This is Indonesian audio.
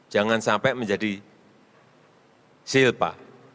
jangan sampai menjadi silva